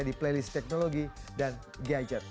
di playlist teknologi dan gadget